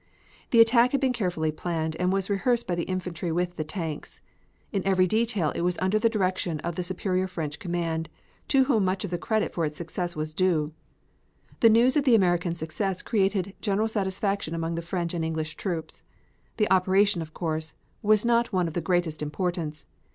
The attack had been carefully planned and was rehearsed by the infantry with the tanks. In every detail it was under the direction of the Superior French Command, to whom much of the credit for its success was due. The news of the American success created general satisfaction among the French and English troops. The operation, of course, was not one of the very greatest importance.